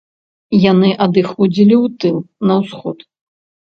Яны адыходзілі ў тыл, на ўсход.